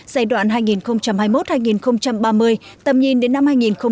giai đoạn hai nghìn hai mươi một hai nghìn ba mươi tầm nhìn đến năm hai nghìn năm mươi